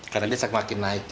karena dia semakin naik